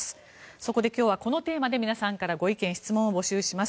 そこで今日はこのテーマでご意見・質問を募集します。